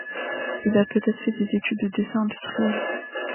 Il a peut-être fait des études de dessin industriel.